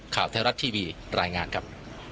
ข่าวไทยรัฐทีวีรายงานครับ